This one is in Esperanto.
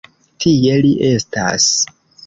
Tie li estas.